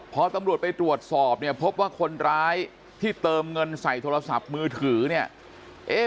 พอตำรวจไปตรวจสอบเนี่ยพบว่าคนร้ายที่เติมเงินใส่โทรศัพท์มือถือเนี่ย